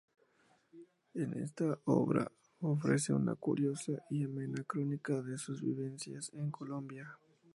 En esta obra ofrece una curiosa y amena crónica de su vivencias en Colombia.